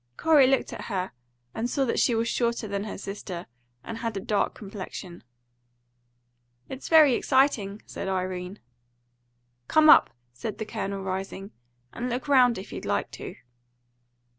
Corey looked at her, and saw that she was shorter than her sister, and had a dark complexion. "It's very exciting," said Irene. "Come up," said the Colonel, rising, "and look round if you'd like to."